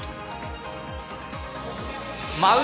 舞う！